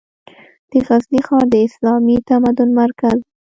د غزني ښار د اسلامي تمدن مرکز و.